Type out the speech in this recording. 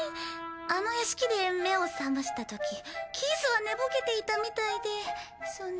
あの屋敷で目を覚ましたときキースは寝ぼけていたみたいでその。